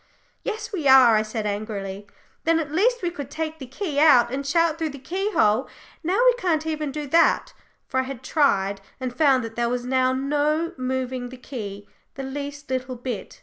"Yes, we are," I said angrily. "Then, at least, we could take the key out and shout through the key hole. Now we can't even do that," for I had tried, and found that there was now no moving the key the least little bit.